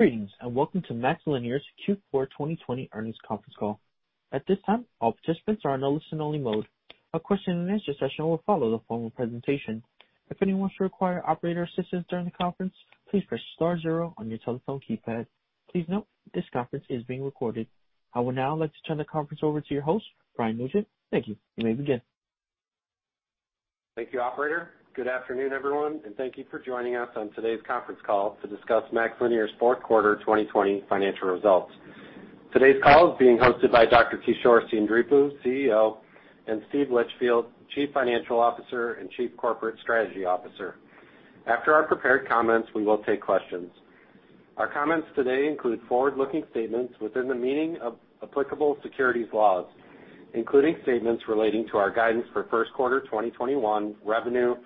Greetings, and welcome to MaxLinear's Q4 2020 earnings conference call. At this time, all participants are in a listen-only mode. A question-and-answer session will follow the formal presentation. If anyone should require operator's assistance during the conference, please press star zero on your telephone keypad. Please note this conference is being recorded. Over to your host, Brian Nugent. Thank you. You may begin. Thank you, operator. Good afternoon, everyone, and thank you for joining us on today's conference call to discuss MaxLinear's fourth quarter 2020 financial results. Today's call is being hosted by Dr. Kishore Seendripu, CEO, and Steve Litchfield, Chief Financial Officer and Chief Corporate Strategy Officer. After our prepared comments, we will take questions. Our comments today include forward-looking statements within the meaning of applicable securities laws, including statements relating to our guidance for first quarter 2021 revenue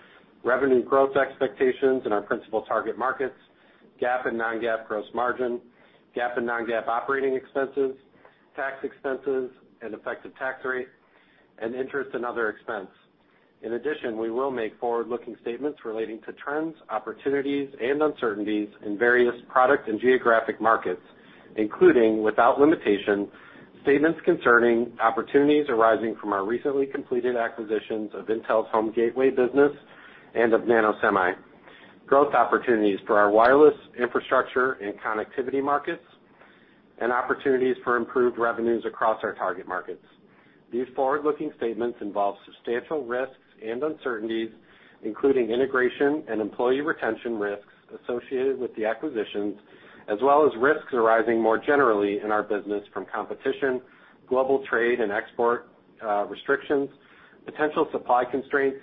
growth expectations in our principal target markets, GAAP and non-GAAP gross margin, GAAP and non-GAAP operating expenses, tax expenses and effective tax rate, and interest and other expense. In addition, we will make forward-looking statements relating to trends, opportunities, and uncertainties in various product and geographic markets, including, without limitation, statements concerning opportunities arising from our recently completed acquisitions of Intel's home gateway business and of NanoSemi, growth opportunities for our wireless infrastructure and connectivity markets, and opportunities for improved revenues across our target markets. These forward-looking statements involve substantial risks and uncertainties, including integration and employee retention risks associated with the acquisitions, as well as risks arising more generally in our business from competition, global trade and export restrictions, potential supply constraints,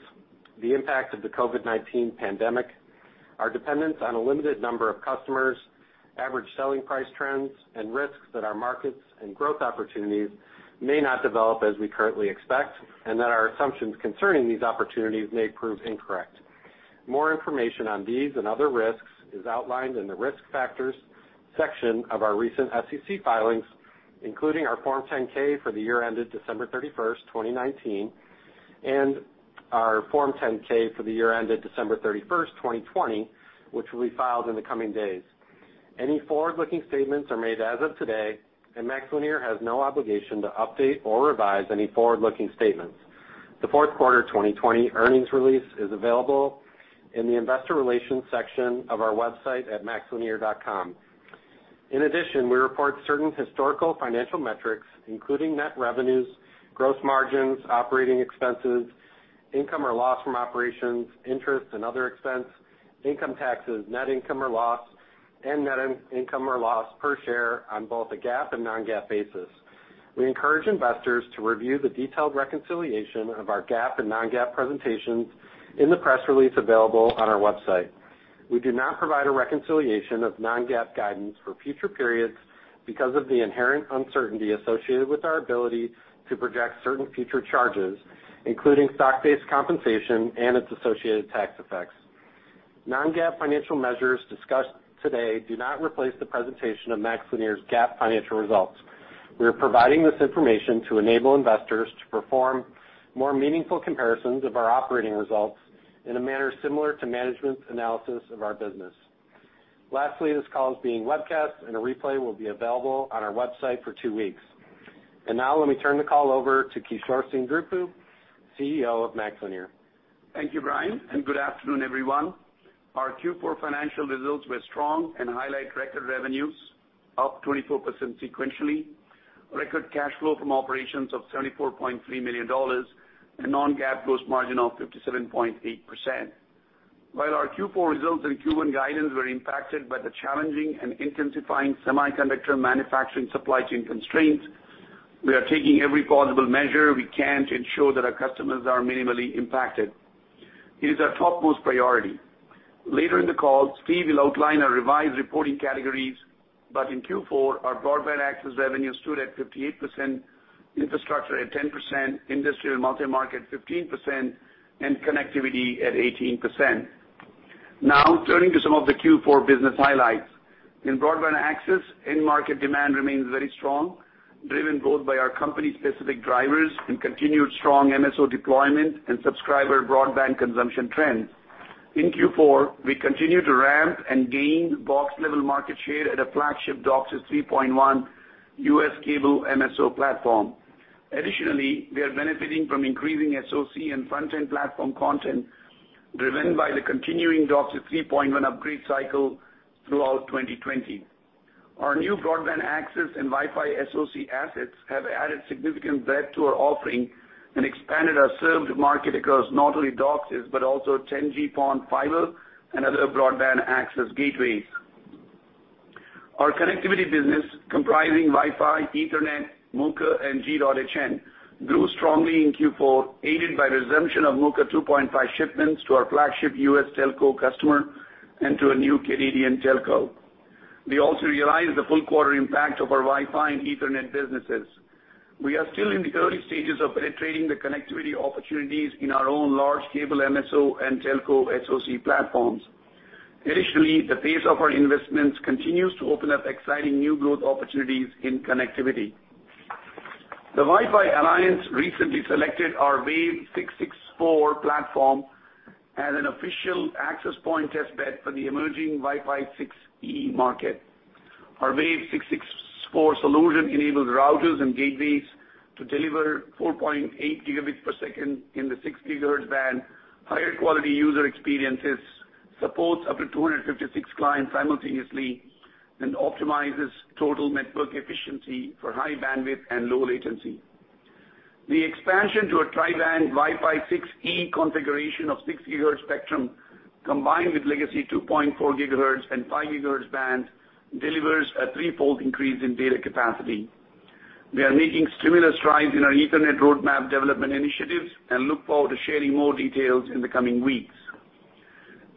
the impact of the COVID-19 pandemic, our dependence on a limited number of customers, average selling price trends, and risks that our markets and growth opportunities may not develop as we currently expect, and that our assumptions concerning these opportunities may prove incorrect. More information on these and other risks is outlined in the Risk Factors section of our recent SEC filings, including our Form 10-K for the year ended December 31st, 2019, and our Form 10-K for the year ended December 31st, 2020, which will be filed in the coming days. Any forward-looking statements are made as of today, and MaxLinear has no obligation to update or revise any forward-looking statements. The fourth quarter 2020 earnings release is available in the investor relations section of our website at maxlinear.com. In addition, we report certain historical financial metrics, including net revenues, gross margins, operating expenses, income or loss from operations, interest and other expense, income taxes, net income or loss, and net income or loss per share on both a GAAP and non-GAAP basis. We encourage investors to review the detailed reconciliation of our GAAP and non-GAAP presentations in the press release available on our website. We do not provide a reconciliation of non-GAAP guidance for future periods because of the inherent uncertainty associated with our ability to project certain future charges, including stock-based compensation and its associated tax effects. Non-GAAP financial measures discussed today do not replace the presentation of MaxLinear's GAAP financial results. We are providing this information to enable investors to perform more meaningful comparisons of our operating results in a manner similar to management's analysis of our business. Lastly, this call is being webcast, and a replay will be available on our website for two weeks. Now let me turn the call over to Kishore Seendripu, CEO of MaxLinear. Thank you, Brian, good afternoon, everyone. Our Q4 financial results were strong and highlight record revenues, up 24% sequentially, record cash flow from operations of $74.3 million, and non-GAAP gross margin of 57.8%. While our Q4 results and Q1 guidance were impacted by the challenging and intensifying semiconductor manufacturing supply chain constraints, we are taking every possible measure we can to ensure that our customers are minimally impacted. It is our topmost priority. Later in the call, Steve will outline our revised reporting categories, in Q4, our broadband access revenue stood at 58%, infrastructure at 10%, industry and multi-market 15%, and connectivity at 18%. Turning to some of the Q4 business highlights. In broadband access, end market demand remains very strong, driven both by our company's specific drivers and continued strong MSO deployment and subscriber broadband consumption trends. In Q4, we continued to ramp and gain box-level market share at a flagship DOCSIS 3.1 U.S. cable MSO platform. Additionally, we are benefiting from increasing SoC and front-end platform content driven by the continuing DOCSIS 3.1 upgrade cycle throughout 2020. Our new broadband access and Wi-Fi SoC assets have added significant breadth to our offering and expanded our served market across not only DOCSIS, but also 10G PON fiber and other broadband access gateways. Our connectivity business, comprising Wi-Fi, Ethernet, MoCA, and G.hn, grew strongly in Q4, aided by resumption of MoCA 2.5 shipments to our flagship U.S. telco customer and to a new Canadian telco. We also realized the full quarter impact of our Wi-Fi and Ethernet businesses. We are still in the early stages of penetrating the connectivity opportunities in our own large cable MSO and telco SoC platforms. Additionally, the pace of our investments continues to open up exciting new growth opportunities in connectivity. The Wi-Fi Alliance recently selected our WAV664 platform as an official access point test bed for the emerging Wi-Fi 6E market. Our WAV664 solution enables routers and gateways to deliver 4.8 Gb per second in the six GHz band, higher quality user experiences, supports up to 256 clients simultaneously, and optimizes total network efficiency for high bandwidth and low latency. The expansion to a tri-band Wi-Fi 6E configuration of 6 GHz spectrum, combined with legacy 2.4 GHz and 5 GHz band, delivers a threefold increase in data capacity. We are making significant strides in our Ethernet roadmap development initiatives and look forward to sharing more details in the coming weeks.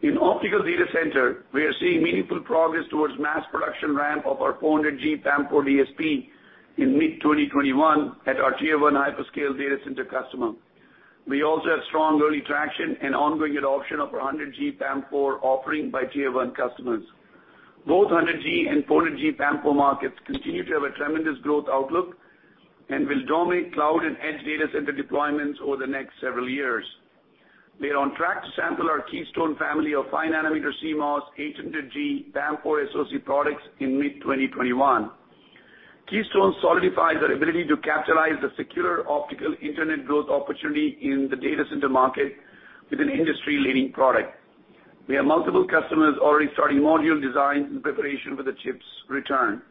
In optical data center, we are seeing meaningful progress towards mass production ramp of our 400G PAM4 DSP in mid-2021 at our Tier 1 hyperscale data center customer. We also have strong early traction and ongoing adoption of our 100G PAM4 offering by Tier 1 customers. Both 100G and 400G PAM4 markets continue to have a tremendous growth outlook and will dominate cloud and edge data center deployments over the next several years. We are on track to sample our Keystone family of 5 nm CMOS 800G PAM4 SoC products in mid-2021. Keystone solidifies our ability to capitalize the secular optical internet growth opportunity in the data center market with an industry-leading product. We have multiple customers already starting module designs in preparation for the chip's return.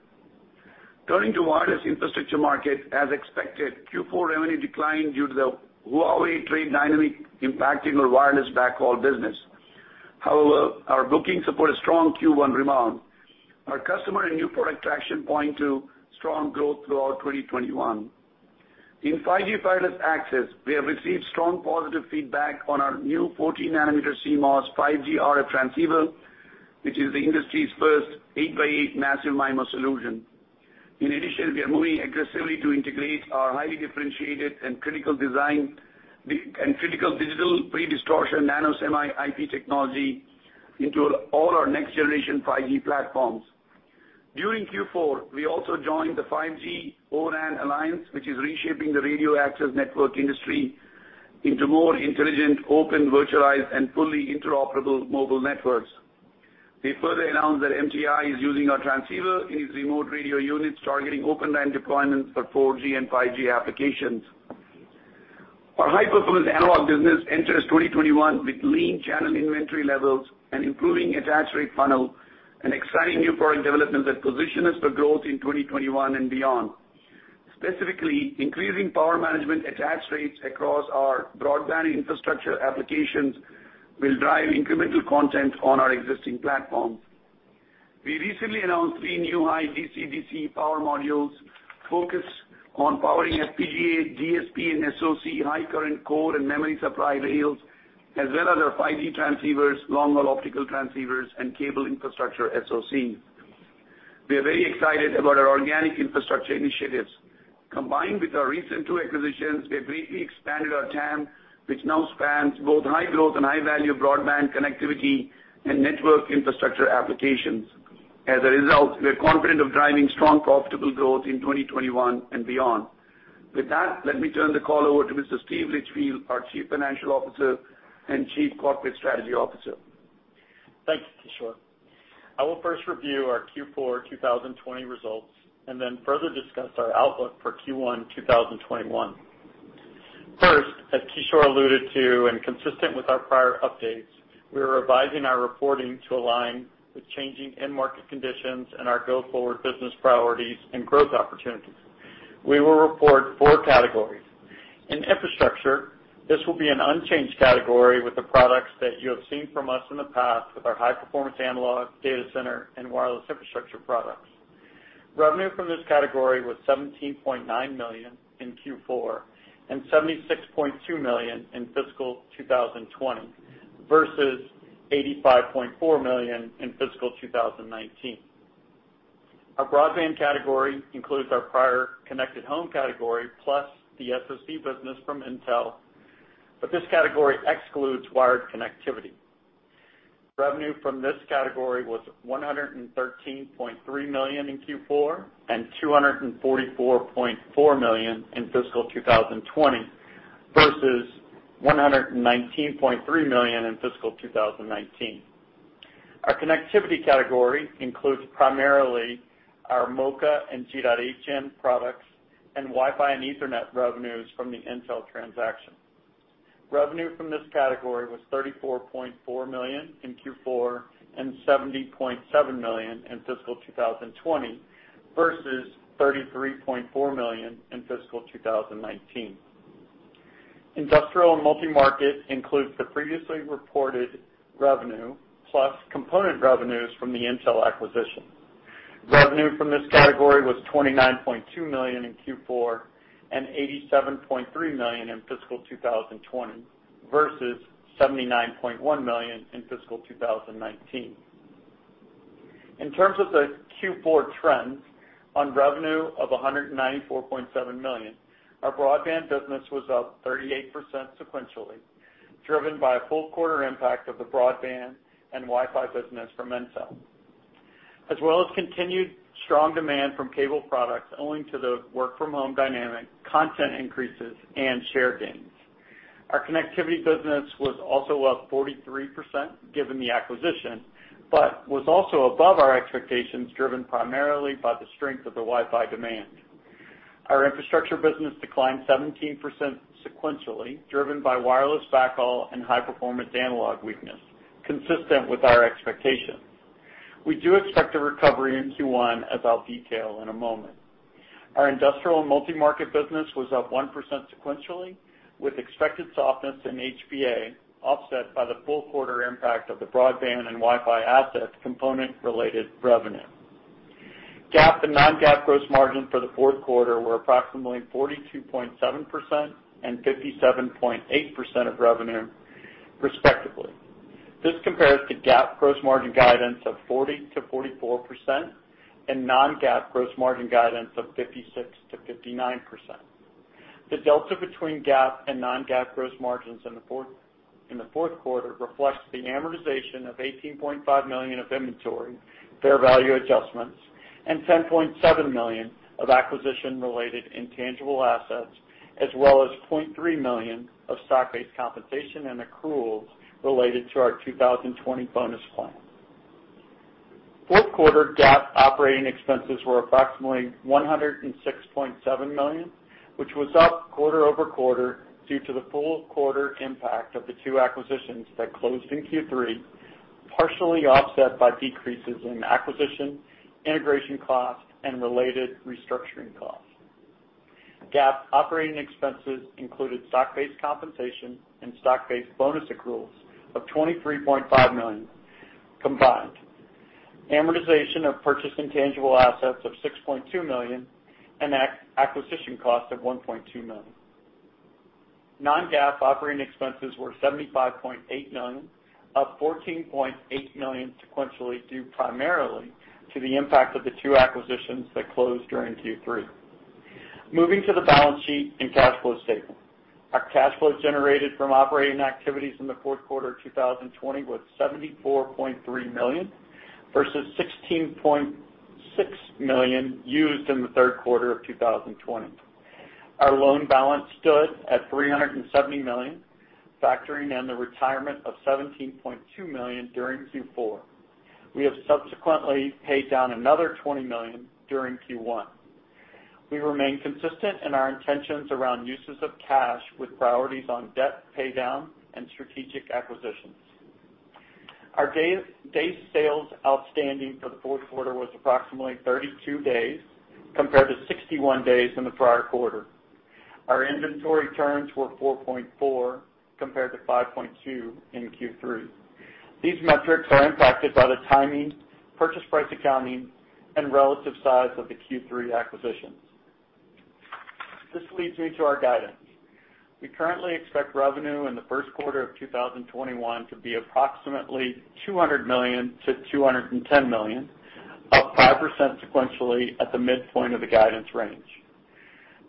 Turning to wireless infrastructure market, as expected, Q4 revenue declined due to the Huawei trade dynamic impacting our wireless backhaul business. Our bookings support a strong Q1 rebound. Our customer and new product traction point to strong growth throughout 2021. In 5G wireless access, we have received strong positive feedback on our new 14 nm CMOS 5G RF transceiver, which is the industry's first 8x8 massive MIMO solution. We are moving aggressively to integrate our highly differentiated and critical digital pre-distortion NanoSemi IP technology into all our next-generation 5G platforms. During Q4, we also joined the 5G O-RAN Alliance, which is reshaping the radio access network industry into more intelligent, open, virtualized and fully interoperable mobile networks. We further announced that MTI is using our transceiver in its remote radio units targeting open RAN deployments for 4G and 5G applications. Our high-performance analog business enters 2021 with lean channel inventory levels and improving attach rate funnel and exciting new product developments that position us for growth in 2021 and beyond. Specifically, increasing power management attach rates across our broadband infrastructure applications will drive incremental content on our existing platforms. We recently announced three new high DC/DC power modules focused on powering FPGA, DSP, and SoC high current core and memory supply rails, as well as our 5G transceivers, long-haul optical transceivers, and cable infrastructure SoC. We are very excited about our organic infrastructure initiatives. Combined with our recent two acquisitions, we have greatly expanded our TAM, which now spans both high-growth and high-value broadband connectivity and network infrastructure applications. As a result, we are confident of driving strong profitable growth in 2021 and beyond. With that, let me turn the call over to Mr. Steve Litchfield, our Chief Financial Officer and Chief Corporate Strategy Officer. Thanks, Kishore. I will first review our Q4 2020 results and then further discuss our outlook for Q1 2021. As Kishore alluded to and consistent with our prior updates, we are revising our reporting to align with changing end market conditions and our go-forward business priorities and growth opportunities. We will report four categories. In Infrastructure, this will be an unchanged category with the products that you have seen from us in the past with our high-performance analog, data center, and wireless infrastructure products. Revenue from this category was $17.9 million in Q4 and $76.2 million in fiscal 2020 versus $85.4 million in fiscal 2019. Our Broadband category includes our prior connected home category plus the SoC business from Intel. This category excludes wired connectivity. Revenue from this category was $113.3 million in Q4 and $244.4 million in fiscal 2020 versus $119.3 million in fiscal 2019. Our connectivity category includes primarily our MoCA and G.hn products and Wi-Fi and Ethernet revenues from the Intel transaction. Revenue from this category was $34.4 million in Q4 and $70.7 million in fiscal 2020 versus $33.4 million in fiscal 2019. Industrial and multi-market includes the previously reported revenue plus component revenues from the Intel acquisition. Revenue from this category was $29.2 million in Q4 and $87.3 million in fiscal 2020 versus $79.1 million in fiscal 2019. In terms of the Q4 trends on revenue of $194.7 million, our broadband business was up 38% sequentially, driven by a full quarter impact of the broadband and Wi-Fi business from Intel. As well as continued strong demand from cable products owing to the work-from-home dynamic, content increases, and share gains. Our connectivity business was also up 43% given the acquisition, but was also above our expectations, driven primarily by the strength of the Wi-Fi demand. Our infrastructure business declined 17% sequentially, driven by wireless backhaul and high-performance analog weakness, consistent with our expectations. We do expect a recovery in Q1, as I'll detail in a moment. Our industrial multi-market business was up 1% sequentially, with expected softness in HPA offset by the full quarter impact of the broadband and Wi-Fi asset component-related revenue. GAAP and non-GAAP gross margin for the fourth quarter were approximately 42.7% and 57.8% of revenue, respectively. This compares to GAAP gross margin guidance of 40%-44% and non-GAAP gross margin guidance of 56%-59%. The delta between GAAP and non-GAAP gross margins in the fourth quarter reflects the amortization of $18.5 million of inventory, fair value adjustments, and $10.7 million of acquisition-related intangible assets, as well as $0.3 million of stock-based compensation and accruals related to our 2020 bonus plan. Fourth quarter GAAP operating expenses were approximately $106.7 million, which was up quarter-over-quarter due to the full quarter impact of the two acquisitions that closed in Q3, partially offset by decreases in acquisition, integration costs, and related restructuring costs. GAAP operating expenses included stock-based compensation and stock-based bonus accruals of $23.5 million combined, amortization of purchased intangible assets of $6.2 million and acquisition costs of $1.2 million. Non-GAAP operating expenses were $75.8 million, up $14.8 million sequentially, due primarily to the impact of the two acquisitions that closed during Q3. Moving to the balance sheet and cash flow statement. Our cash flow generated from operating activities in the fourth quarter 2020 was $74.3 million, versus $16.6 million used in the third quarter of 2020. Our loan balance stood at $370 million, factoring in the retirement of $17.2 million during Q4. We have subsequently paid down another $20 million during Q1. We remain consistent in our intentions around uses of cash with priorities on debt paydown and strategic acquisitions. Our day sales outstanding for the fourth quarter was approximately 32 days, compared to 61 days in the prior quarter. Our inventory turns were 4.4, compared to 5.2 in Q3. These metrics are impacted by the timing, purchase price accounting, and relative size of the Q3 acquisitions. This leads me to our guidance. We currently expect revenue in the first quarter of 2021 to be approximately $200 million-$210 million, up 5% sequentially at the midpoint of the guidance range.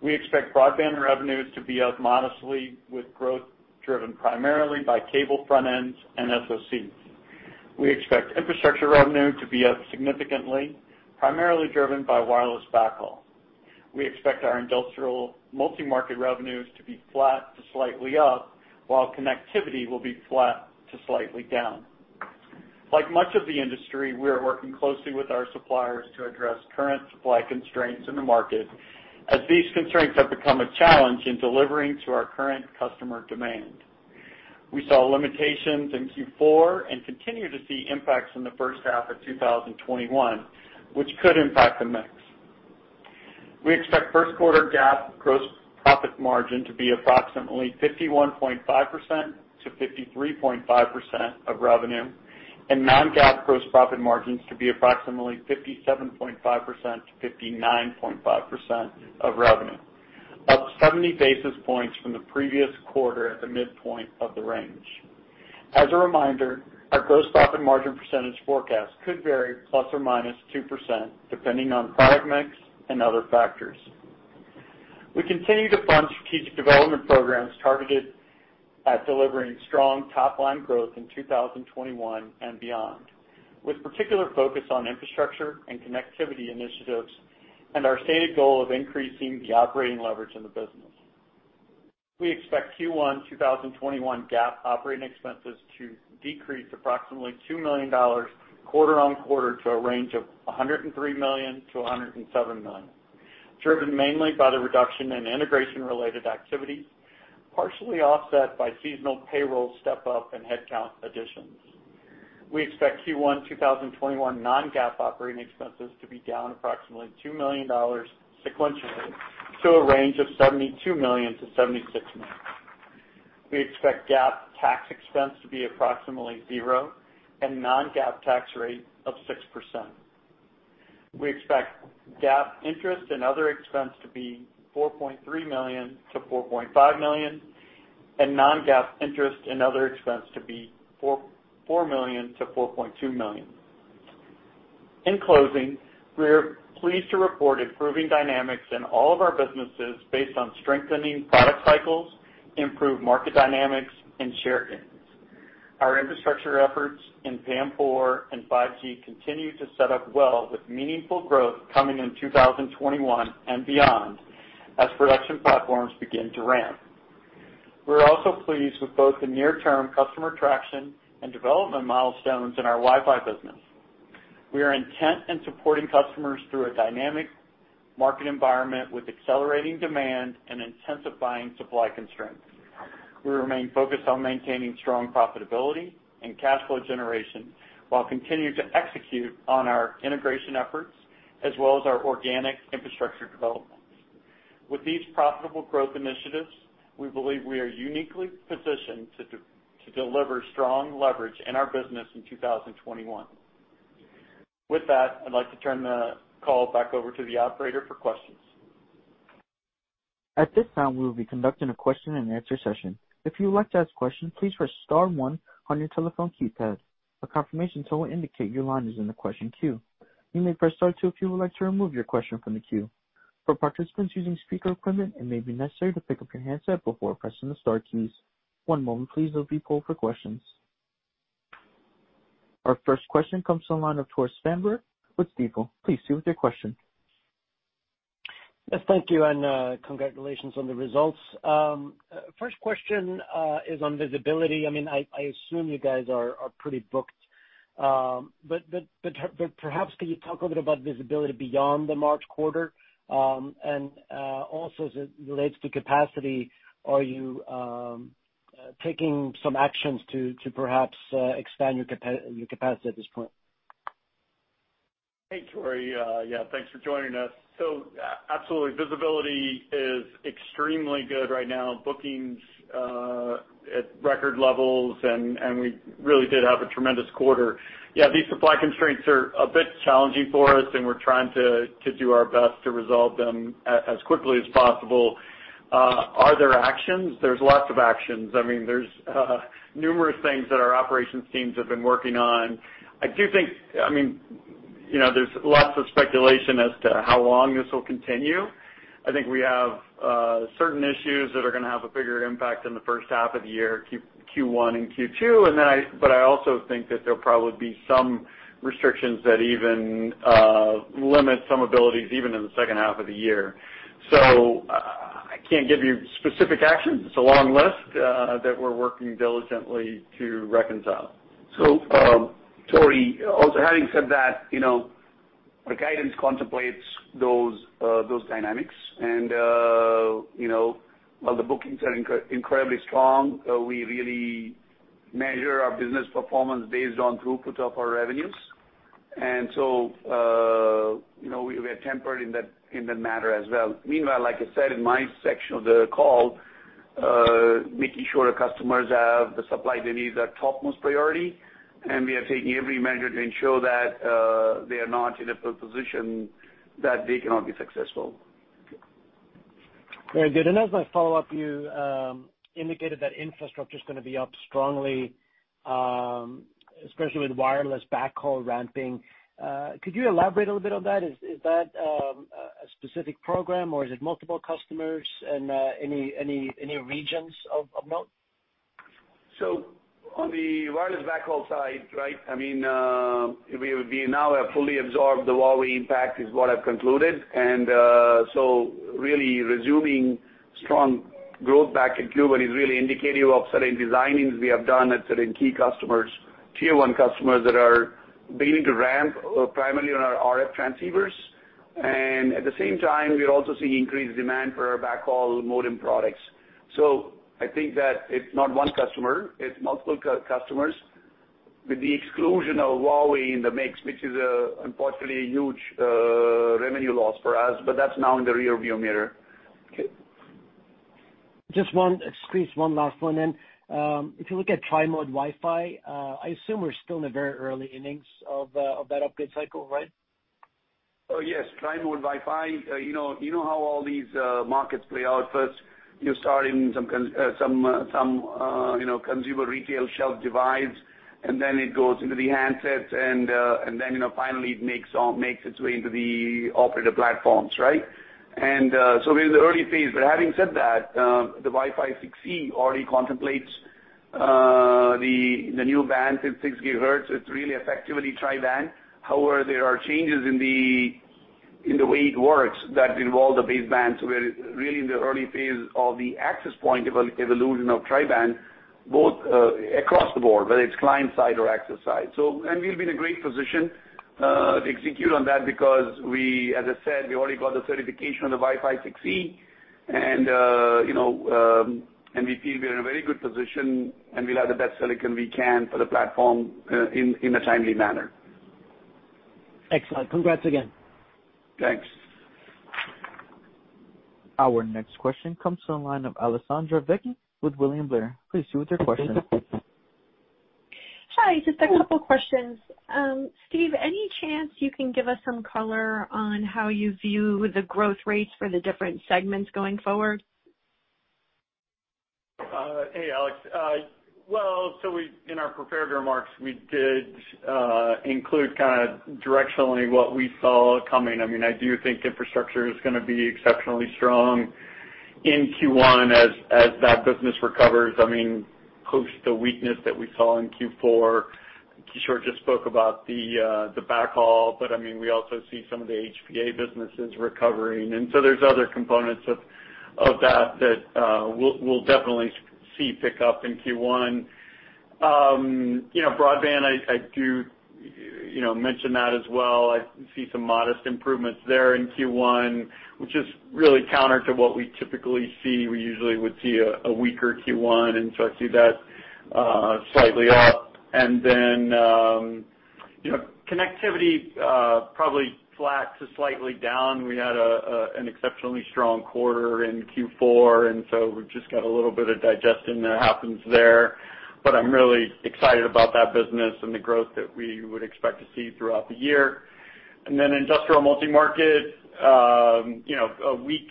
We expect broadband revenues to be up modestly, with growth driven primarily by cable front ends and SoCs. We expect infrastructure revenue to be up significantly, primarily driven by wireless backhaul. We expect our industrial multi-market revenues to be flat to slightly up, while connectivity will be flat to slightly down. Like much of the industry, we are working closely with our suppliers to address current supply constraints in the market, as these constraints have become a challenge in delivering to our current customer demand. We saw limitations in Q4 and continue to see impacts in the first half of 2021, which could impact the mix. We expect first quarter GAAP gross profit margin to be approximately 51.5%-53.5% of revenue and non-GAAP gross profit margins to be approximately 57.5%-59.5% of revenue, up 70 basis points from the previous quarter at the midpoint of the range. As a reminder, our gross profit margin percentage forecast could vary plus or minus 2%, depending on product mix and other factors. We continue to fund strategic development programs targeted at delivering strong top-line growth in 2021 and beyond, with particular focus on infrastructure and connectivity initiatives and our stated goal of increasing the operating leverage in the business. We expect Q1 2021 GAAP operating expenses to decrease approximately $2 million quarter-over-quarter to a range of $103 million-$107 million, driven mainly by the reduction in integration-related activities, partially offset by seasonal payroll step-up and headcount additions. We expect Q1 2021 non-GAAP operating expenses to be down approximately $2 million sequentially to a range of $72 million-$76 million. We expect GAAP tax expense to be approximately zero and non-GAAP tax rate of 6%. We expect GAAP interest and other expense to be $4.3 million-$4.5 million and non-GAAP interest and other expense to be $4 million-$4.2 million. In closing, we are pleased to report improving dynamics in all of our businesses based on strengthening product cycles, improved market dynamics, and share gains. Our infrastructure efforts in PAM4 and 5G continue to set up well with meaningful growth coming in 2021 and beyond as production platforms begin to ramp. We're also pleased with both the near-term customer traction and development milestones in our Wi-Fi business. We are intent in supporting customers through a dynamic market environment with accelerating demand and intensifying supply constraints. We remain focused on maintaining strong profitability and cash flow generation, while continuing to execute on our integration efforts as well as our organic infrastructure developments. With these profitable growth initiatives, we believe we are uniquely positioned to deliver strong leverage in our business in 2021. With that, I'd like to turn the call back over to the operator for questions. At this time, we will be conducting a question-and-answer session. If you would like to ask questions, please press star one on your telephone keypad. A confirmation tone will indicate your line is in the question queue. You may press star two if you would like to remove your question from the queue. For participants using speaker equipment, it may be necessary to pick up your handset before pressing the star keys. One moment please while we poll for questions. Our first question comes to the line of Tore Svanberg with Stifel. Please proceed with your question. Yes, thank you, and congratulations on the results. First question is on visibility. I assume you guys are pretty booked, but perhaps could you talk a little bit about visibility beyond the March quarter? Also as it relates to capacity, are you taking some actions to perhaps expand your capacity at this point? Hey, Tore. Yeah, thanks for joining us. Absolutely, visibility is extremely good right now. Bookings at record levels, we really did have a tremendous quarter. Yeah, these supply constraints are a bit challenging for us, we're trying to do our best to resolve them as quickly as possible. Are there actions? There's lots of actions. There's numerous things that our operations teams have been working on. There's lots of speculation as to how long this will continue. I think we have certain issues that are going to have a bigger impact in the first half of the year, Q1 and Q2, I also think that there'll probably be some restrictions that even limit some abilities even in the second half of the year. I can't give you specific actions. It's a long list that we're working diligently to reconcile. Tore, also having said that, the guidance contemplates those dynamics and while the bookings are incredibly strong, we really measure our business performance based on throughput of our revenues. We are tempered in that matter as well. Meanwhile, like I said in my section of the call, making sure our customers have the supply they need is our topmost priority, and we are taking every measure to ensure that they are not in a position that they cannot be successful. Very good. As my follow-up, you indicated that infrastructure's going to be up strongly, especially with wireless backhaul ramping. Could you elaborate a little bit on that? Is that a specific program or is it multiple customers and any regions of note? On the wireless backhaul side, we now have fully absorbed the Huawei impact is what I've concluded. Really resuming strong growth back in Q1 is really indicative of certain design-ins we have done at certain key customers, tier 1 customers that are beginning to ramp primarily on our RF transceivers. At the same time, we are also seeing increased demand for our backhaul modem products. I think that it's not one customer, it's multiple customers with the exclusion of Huawei in the mix, which is unfortunately a huge revenue loss for us, but that's now in the rear-view mirror. Okay. Just one last one then. If you look at tri-mode Wi-Fi, I assume we're still in the very early innings of that upgrade cycle, right? Oh, yes. Tri-mode Wi-Fi, you know how all these markets play out. First, you start in some consumer retail shelf device, and then it goes into the handsets and then finally it makes its way into the operator platforms, right? We're in the early phase, but having said that, the Wi-Fi 6E already contemplates the new band 6 GHz. It's really effectively tri-band. However, there are changes in the way it works that involve the baseband. We're really in the early phase of the access point evolution of tri-band, both across the board, whether it's client side or access side. We'll be in a great position to execute on that because as I said, we already got the certification on the Wi-Fi 6E and we feel we're in a very good position, and we'll have the best silicon we can for the platform in a timely manner. Excellent. Congrats again. Thanks. Our next question comes to the line of Alessandra Vecchi with William Blair. Please proceed with your question. Hi, just a couple questions. Steve, any chance you can give us some color on how you view the growth rates for the different segments going forward? Hey, Alex. In our prepared remarks, we did include directionally what we saw coming. I do think infrastructure is going to be exceptionally strong in Q1, as that business recovers, post the weakness that we saw in Q4. Kishore just spoke about the backhaul, but we also see some of the HPA businesses recovering. There's other components of that that we'll definitely see pick up in Q1. Broadband, I do mention that as well. I see some modest improvements there in Q1, which is really counter to what we typically see. We usually would see a weaker Q1. I see that slightly up. Connectivity, probably flat to slightly down. We had an exceptionally strong quarter in Q4. We've just got a little bit of digestion that happens there. I'm really excited about that business and the growth that we would expect to see throughout the year. Industrial multi-market, a weak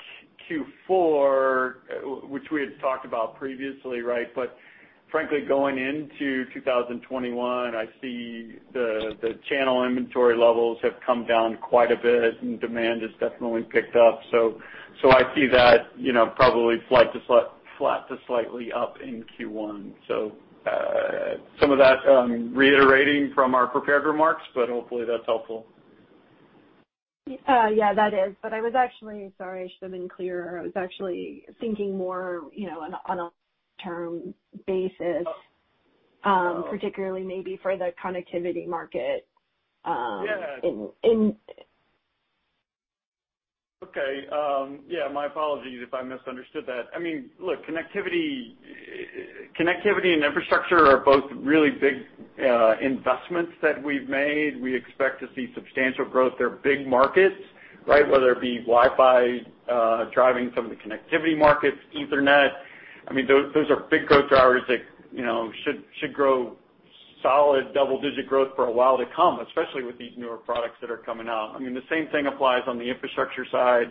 Q4, which we had talked about previously, right? Frankly, going into 2021, I see the channel inventory levels have come down quite a bit, and demand has definitely picked up. I see that probably flat to slightly up in Q1. Some of that reiterating from our prepared remarks, but hopefully that's helpful. Yeah, that is. I was actually sorry, I should have been clearer. I was actually thinking more on a long-term basis, particularly maybe for the connectivity market. My apologies if I misunderstood that. Connectivity and infrastructure are both really big investments that we've made. We expect to see substantial growth. They're big markets. Whether it be Wi-Fi driving some of the connectivity markets, Ethernet, those are big growth drivers that should grow solid double-digit growth for a while to come, especially with these newer products that are coming out. The same thing applies on the infrastructure side,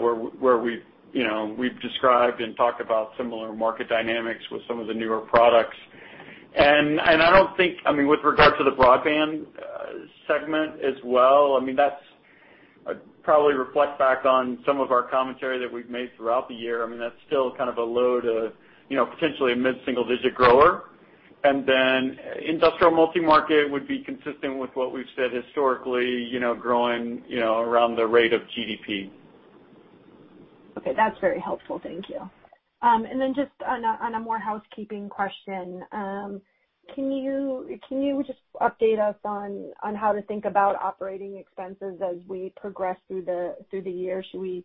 where we've described and talked about similar market dynamics with some of the newer products. I don't think, with regard to the broadband segment as well, that's probably reflect back on some of our commentary that we've made throughout the year. That's still kind of a low to potentially a mid-single digit grower. Industrial multi-market would be consistent with what we've said historically, growing around the rate of GDP. Okay, that's very helpful. Thank you. Then just on a more housekeeping question. Can you just update us on how to think about operating expenses as we progress through the year? Should we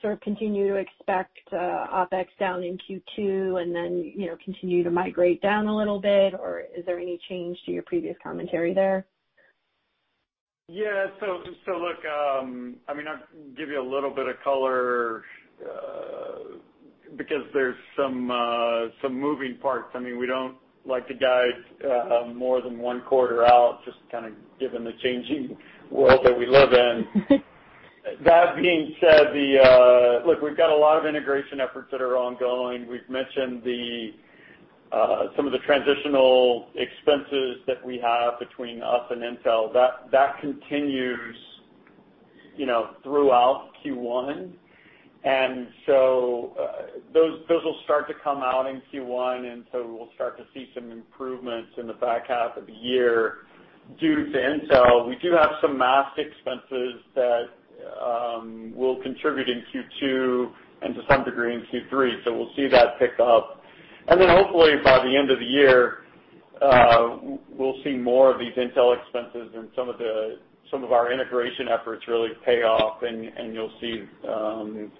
sort of continue to expect OpEx down in Q2 and then continue to migrate down a little bit, or is there any change to your previous commentary there? Look, I'll give you a little bit of color because there are some moving parts. We don't like to guide more than one quarter out, just kind of given the changing world that we live in. That being said, look, we've got a lot of integration efforts that are ongoing. We've mentioned some of the transitional expenses that we have between us and Intel. That continues throughout Q1. Those will start to come out in Q1, and so we'll start to see some improvements in the back half of the year due to Intel. We do have some mask expenses that will contribute in Q2 and to some degree in Q3, so we'll see that pick up. Hopefully by the end of the year, we'll see more of these Intel expenses and some of our integration efforts really pay off, and you'll see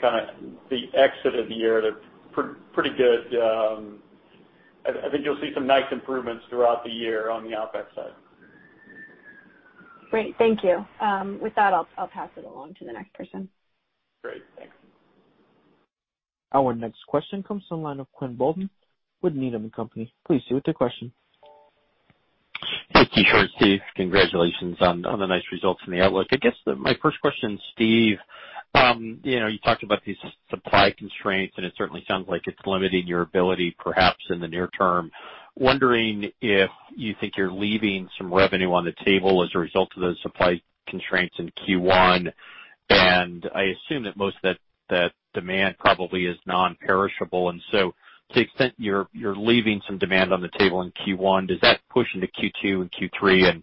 kind of the exit of the year, they're pretty good. I think you'll see some nice improvements throughout the year on the OpEx side. Great, thank you. With that, I'll pass it along to the next person. Great, thanks. Our next question comes from the line of Quinn Bolton with Needham & Company. Please proceed with your question. Hey, Kishore, Steve. Congratulations on the nice results and the outlook. I guess my first question, Steve. You talked about these supply constraints, and it certainly sounds like it's limiting your ability, perhaps in the near term. Wondering if you think you're leaving some revenue on the table as a result of those supply constraints in Q1. I assume that most of that demand probably is non-perishable, and so to the extent you're leaving some demand on the table in Q1, does that push into Q2 and Q3 and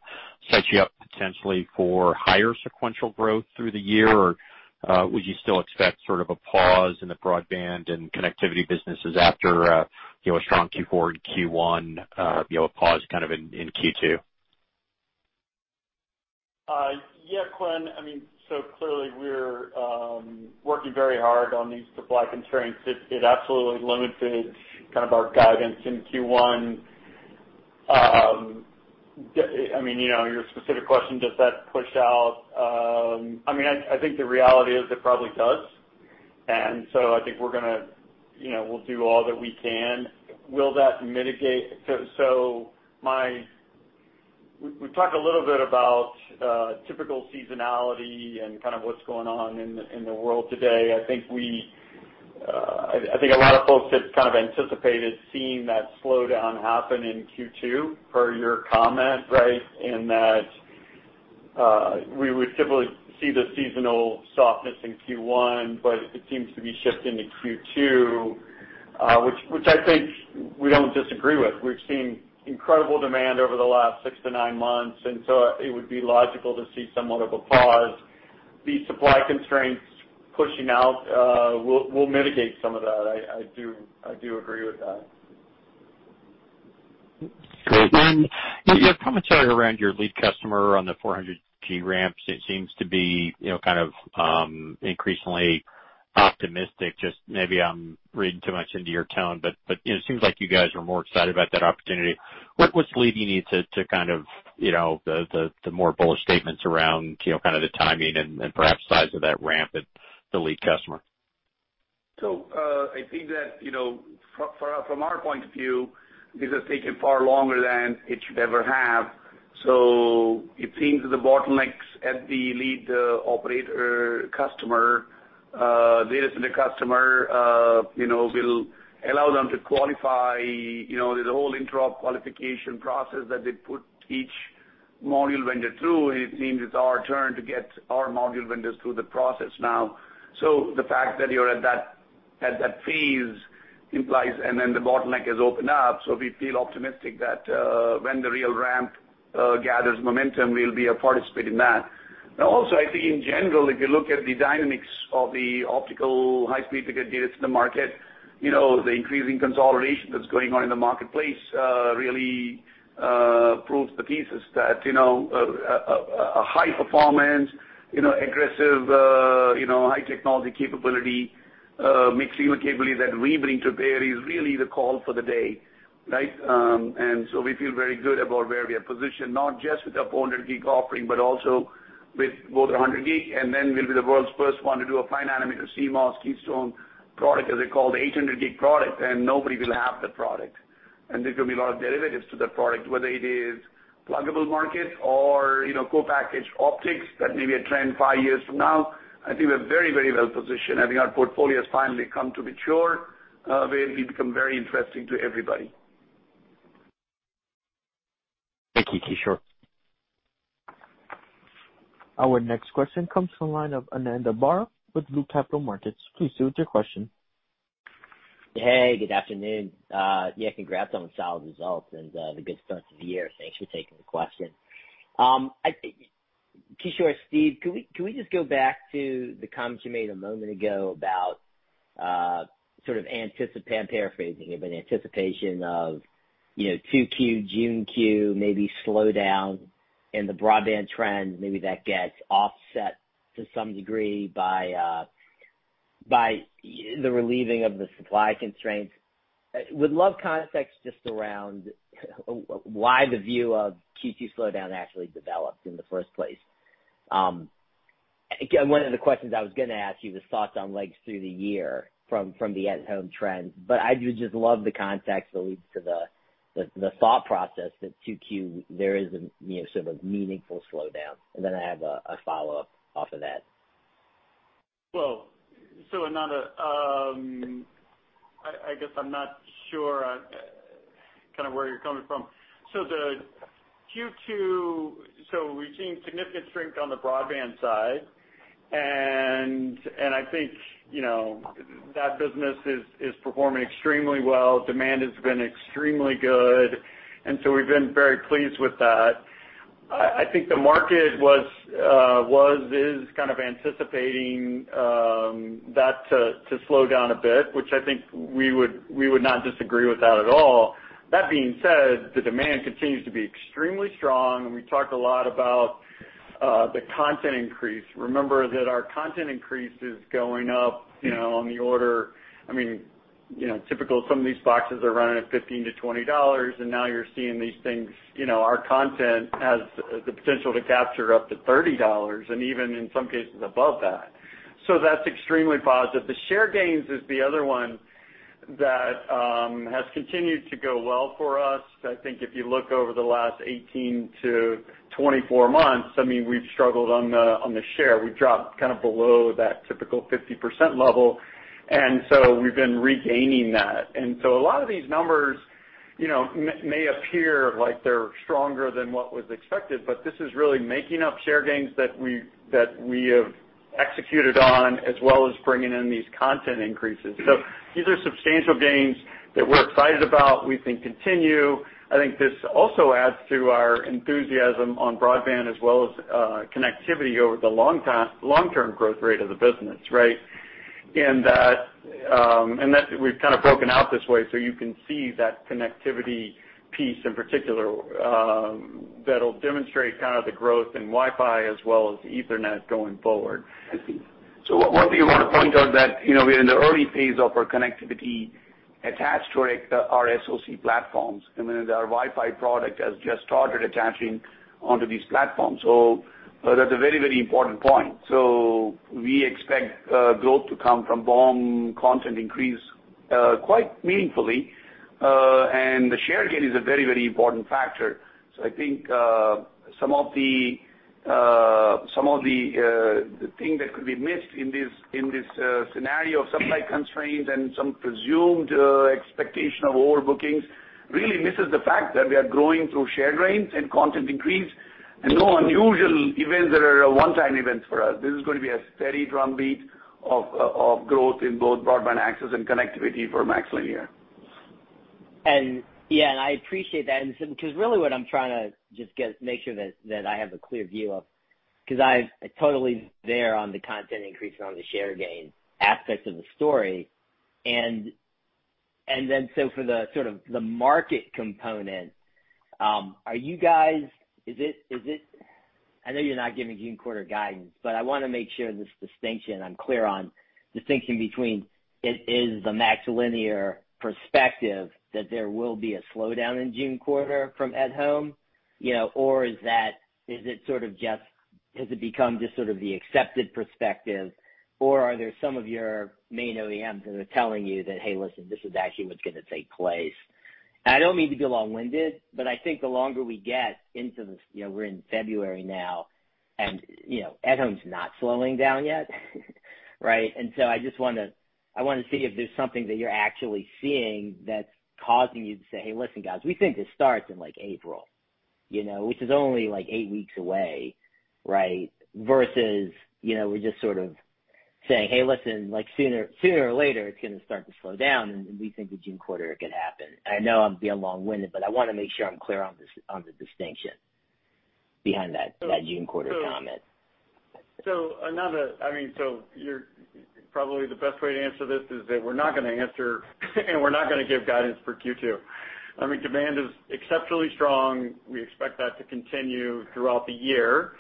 set you up potentially for higher sequential growth through the year, or would you still expect sort of a pause in the broadband and connectivity businesses after a strong Q4 and Q1, a pause kind of in Q2? Yeah, Quinn. Clearly we're working very hard on these supply constraints. It absolutely limited kind of our guidance in Q1. Your specific question, does that push out? I think the reality is it probably does. I think we'll do all that we can. We've talked a little bit about typical seasonality and kind of what's going on in the world today. I think a lot of folks had kind of anticipated seeing that slowdown happen in Q2, per your comment, right? In that we would typically see the seasonal softness in Q1, but it seems to be shifting to Q2, which I think we don't disagree with. We've seen incredible demand over the last six to nine months, it would be logical to see somewhat of a pause. The supply constraints pushing out will mitigate some of that. I do agree with that. Great. Your commentary around your lead customer on the 400G ramps, it seems to be increasingly optimistic. Just maybe I'm reading too much into your tone, but it seems like you guys are more excited about that opportunity. What's leading you to the more bullish statements around the timing and perhaps size of that ramp at the lead customer? I think that from our point of view, this has taken far longer than it should ever have. It seems the bottlenecks at the lead operator customer, data center customer, will allow them to qualify. There's a whole interop qualification process that they put each module vendor through, and it seems it's our turn to get our module vendors through the process now. The fact that you're at that phase implies and then the bottleneck has opened up, so we feel optimistic that when the real ramp gathers momentum, we'll be a participant in that. Now also, I think in general, if you look at the dynamics of the optical high-speed data center market, the increasing consolidation that's going on in the marketplace really proves the thesis that a high performance, aggressive, high technology capability, mixing the capabilities that we bring to bear is really the call for the day. Right? We feel very good about where we are positioned, not just with our 400G offering, but also with both 100G. Then we'll be the world's first one to do a 5 nm CMOS Keystone product, as they call the 800G product, and nobody will have that product. There could be a lot of derivatives to that product, whether it is pluggable markets or co-packaged optics that may be a trend five years from now. I think we're very well positioned. I think our portfolio has finally come to mature, where we become very interesting to everybody. Thank you, Kishore. Our next question comes from the line of Ananda Baruah with Loop Capital Markets. Please proceed with your question. Good afternoon. Congrats on the solid results and the good start to the year. Thanks for taking the question. Kishore, Steve, can we just go back to the comment you made a moment ago about sort of, I'm paraphrasing here, but anticipation of 2Q, June Q maybe slowdown in the broadband trend, maybe that gets offset to some degree by the relieving of the supply constraints. Would love context just around why the view of Q2 slowdown actually developed in the first place. One of the questions I was going to ask you was thoughts on legs through the year from the at-home trend, I would just love the context that leads to the thought process that 2Q, there is sort of a meaningful slowdown. I have a follow-up off of that. Well, Ananda, I guess I'm not sure where you're coming from. We're seeing significant strength on the broadband side, and I think that business is performing extremely well. Demand has been extremely good, we've been very pleased with that. I think the market is kind of anticipating that to slow down a bit, which I think we would not disagree with that at all. That being said, the demand continues to be extremely strong, we talked a lot about the content increase. Remember that our content increase is going up on the order, typical, some of these boxes are running at $15-$20, now you're seeing these things. Our content has the potential to capture up to $30, even in some cases above that. That's extremely positive. The share gains is the other one that has continued to go well for us. I think if you look over the last 18-24 months, we've struggled on the share. We've dropped kind of below that typical 50% level. We've been regaining that. A lot of these numbers may appear like they're stronger than what was expected, but this is really making up share gains that we have executed on as well as bringing in these content increases. These are substantial gains that we're excited about. We think continue. I think this also adds to our enthusiasm on broadband as well as connectivity over the long-term growth rate of the business, right? That we've kind of broken out this way so you can see that connectivity piece in particular that'll demonstrate kind of the growth in Wi-Fi as well as Ethernet going forward. One thing I want to point out that we're in the early phase of our connectivity attached to our SoC platforms, and our Wi-Fi product has just started attaching onto these platforms. That's a very important point. We expect growth to come from BOM content increase quite meaningfully. The share gain is a very important factor. I think some of the thing that could be missed in this scenario of supply constraints and some presumed expectation of overbookings, really misses the fact that we are growing through share gains and content increase, and no unusual events that are a one-time event for us. This is going to be a steady drumbeat of growth in both broadband access and connectivity for MaxLinear. I appreciate that because really what I'm trying to just make sure that I have a clear view of, because I'm totally there on the content increase, on the share gain aspects of the story. For the market component, I know you're not giving June quarter guidance, but I want to make sure this distinction, I'm clear on distinction between, is the MaxLinear perspective that there will be a slowdown in June quarter from at home? Or has it become just sort of the accepted perspective? Or are there some of your main OEMs that are telling you that, "Hey, listen, this is actually what's going to take place." I don't mean to be long-winded, but I think the longer we get, we're in February now and at home's not slowing down yet, right? I just want to see if there's something that you're actually seeing that's causing you to say, "Hey, listen guys, we think this starts in April," which is only like eight weeks away, right? Versus, we're just sort of saying, "Hey, listen, sooner or later it's going to start to slow down and we think the June quarter it could happen." I know I'm being long-winded, but I want to make sure I'm clear on the distinction behind that June quarter comment. Probably the best way to answer this is that we're not going to answer and we're not going to give guidance for Q2. Demand is exceptionally strong. We expect that to continue throughout the year,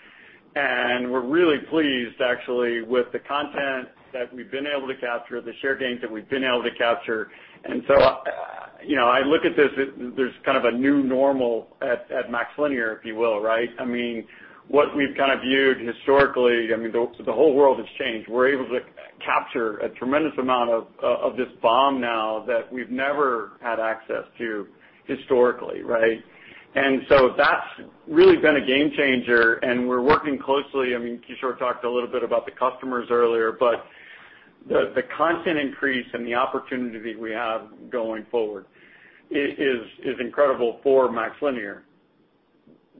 and we're really pleased actually with the content that we've been able to capture, the share gains that we've been able to capture. I look at this, there's kind of a new normal at MaxLinear, if you will, right? What we've kind of viewed historically, the whole world has changed. We're able to capture a tremendous amount of this BOM now that we've never had access to historically, right? That's really been a game changer and we're working closely. Kishore talked a little bit about the customers earlier, but the content increase and the opportunity we have going forward is incredible for MaxLinear.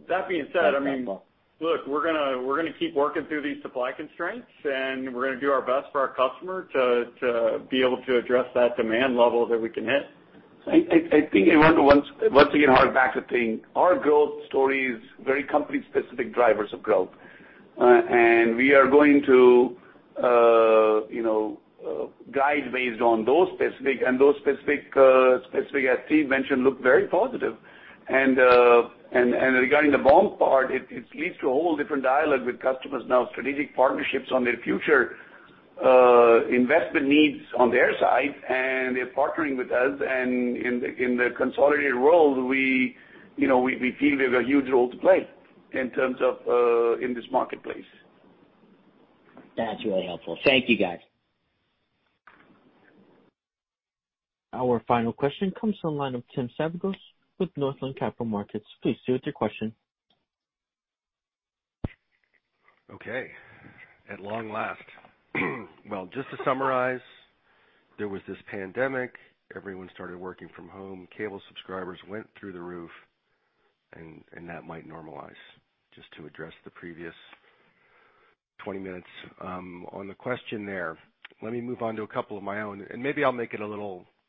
That's helpful. We're going to keep working through these supply constraints, and we're going to do our best for our customer to be able to address that demand level that we can hit. I think, once again, going back to saying our growth story is very company specific drivers of growth. We are going to guide based on those specific, as Steve mentioned, look very positive. Regarding the BOM part, it leads to a whole different dialogue with customers now, strategic partnerships on their future investment needs on their side, and they're partnering with us and in the consolidated world, we feel we have a huge role to play in terms of in this marketplace. That's really helpful. Thank you, guys. Our final question comes from the line of Tim Savageaux with Northland Capital Markets. Please proceed with your question. Okay. At long last. Well, just to summarize, there was this pandemic, everyone started working from home, cable subscribers went through the roof, and that might normalize. Just to address the previous 20 minutes on the question there. Let me move on to a couple of my own, and maybe I'll make it a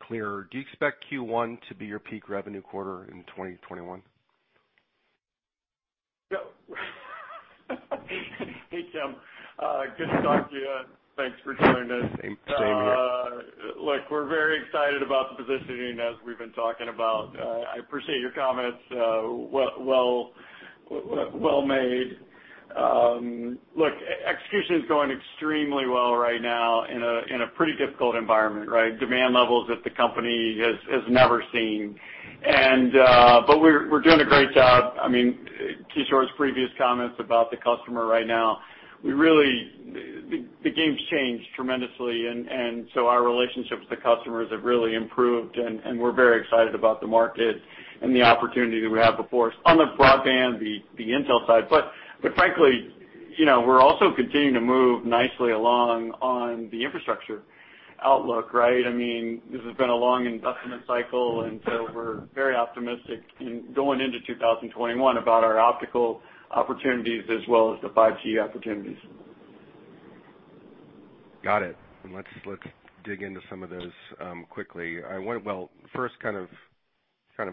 little clearer. Do you expect Q1 to be your peak revenue quarter in 2021? Hey, Tim. Good to talk to you. Thanks for joining us. Same here. Look, we're very excited about the positioning as we've been talking about. I appreciate your comments, well made. Look, execution's going extremely well right now in a pretty difficult environment, right? Demand levels that the company has never seen. We're doing a great job. Kishore's previous comments about the customer right now, the game's changed tremendously, our relationship with the customers have really improved, and we're very excited about the market and the opportunity that we have before us. On the broadband, the Intel side, frankly, we're also continuing to move nicely along on the infrastructure outlook, right? This has been a long investment cycle, we're very optimistic in going into 2021 about our optical opportunities as well as the 5G opportunities. Got it. Let's dig into some of those quickly. Well, first kind of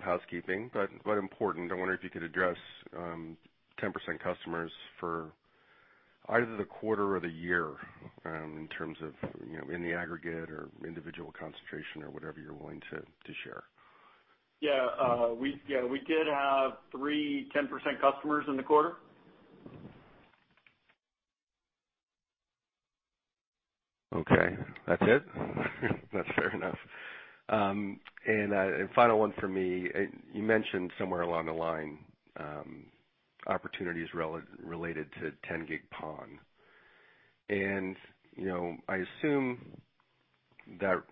housekeeping, but important. I wonder if you could address 10% customers for either the quarter or the year in terms of, in the aggregate or individual concentration or whatever you're willing to share? Yeah. We did have three 10% customers in the quarter. Okay. That's it? That's fair enough. Final one for me. You mentioned somewhere along the line, opportunities related to 10G PON. I assume that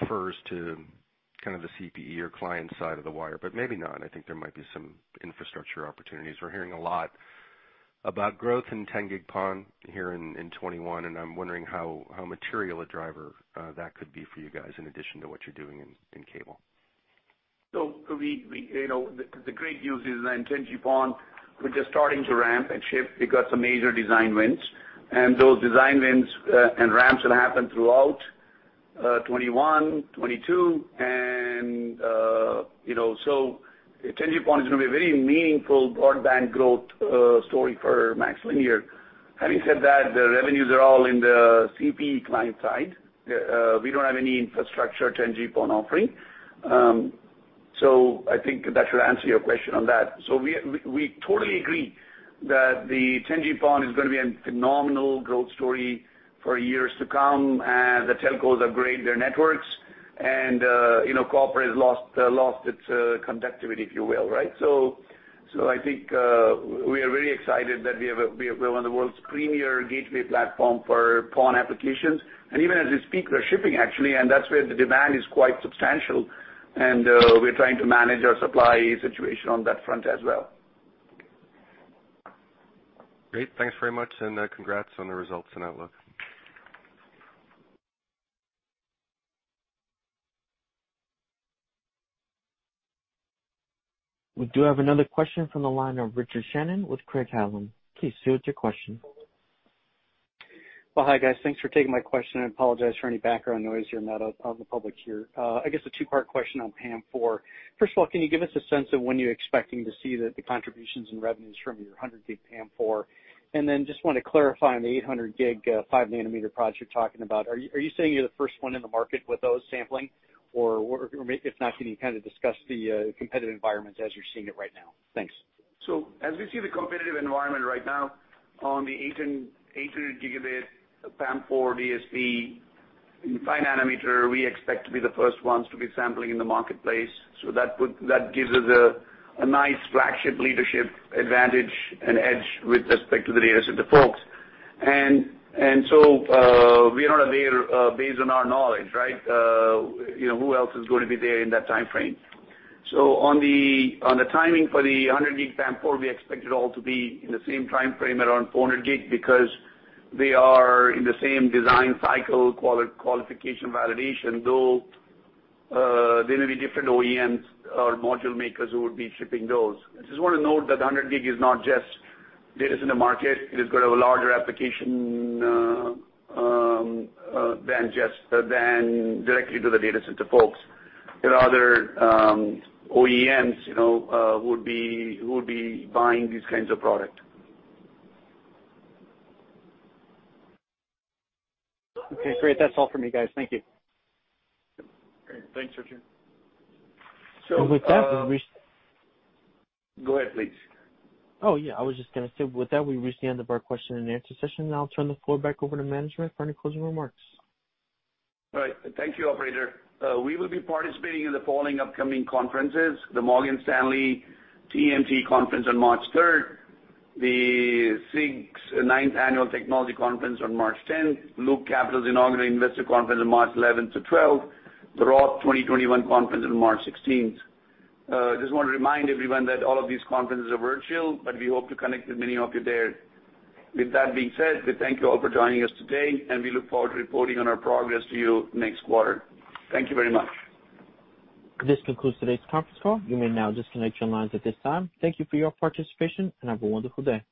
refers to the CPE or client side of the wire, maybe not. I think there might be some infrastructure opportunities. We're hearing a lot about growth in 10G PON here in 2021, I'm wondering how material a driver that could be for you guys in addition to what you're doing in cable. The great news is that in 10G PON, we're just starting to ramp and ship. We got some major design wins, and those design wins and ramps will happen throughout 2021, 2022. 10G PON is going to be a very meaningful broadband growth story for MaxLinear. Having said that, the revenues are all in the CPE client side. We don't have any infrastructure 10G PON offering. I think that should answer your question on that. We totally agree that the 10G PON is going to be a phenomenal growth story for years to come as the telcos upgrade their networks and copper has lost its conductivity, if you will. I think we are very excited that we have one of the world's premier gateway platform for PON applications. Even as we speak, we're shipping, actually, and that's where the demand is quite substantial, and we're trying to manage our supply situation on that front as well. Great. Thanks very much, and congrats on the results and outlook. We do have another question from the line of Richard Shannon with Craig-Hallum. Please proceed with your question. Well, hi, guys. Thanks for taking my question, and I apologize for any background noise here, I'm out of the public here. I guess a two-part question on PAM4. First of all, can you give us a sense of when you're expecting to see the contributions in revenues from your 100G PAM4? I just want to clarify on the 800G, 5 nm product you're talking about, are you saying you're the first one in the market with those sampling? If not, can you discuss the competitive environment as you're seeing it right now? Thanks. As we see the competitive environment right now on the 800G PAM4 DSP in 5 nm, we expect to be the first ones to be sampling in the marketplace. That gives us a nice flagship leadership advantage and edge with respect to the data center folks. We are not aware, based on our knowledge, who else is going to be there in that timeframe. On the timing for the 100G PAM4, we expect it all to be in the same timeframe around 400G because they are in the same design cycle, qualification, validation, though there may be different OEMs or module makers who would be shipping those. I just want to note that 100G is not just data center market. It is going to have a larger application than directly to the data center folks. There are other OEMs who would be buying these kinds of product. Okay, great. That's all for me, guys. Thank you. Great. Thanks, Richard. So- With that, we've reached. Go ahead, please. Oh, yeah. I was just going to say, with that, we've reached the end of our question and answer session. I'll turn the floor back over to management for any closing remarks. Right. Thank you, operator. We will be participating in the following upcoming conferences: the Morgan Stanley TMT Conference on March 3rd, the SIG's Ninth Annual Technology Conference on March 10th, Loop Capital's Inaugural Investor Conference on March 11th-12th, the Roth 2021 Conference on March 16th. Just want to remind everyone that all of these conferences are virtual, but we hope to connect with many of you there. With that being said, we thank you all for joining us today, and we look forward to reporting on our progress to you next quarter. Thank you very much. This concludes today's conference call. You may now disconnect your lines at this time. Thank you for your participation, and have a wonderful day.